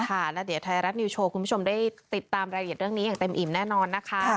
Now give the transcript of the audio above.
ค่ะแล้วเดี๋ยวไทยรัฐนิวโชว์คุณผู้ชมได้ติดตามรายละเอียดเรื่องนี้อย่างเต็มอิ่มแน่นอนนะคะ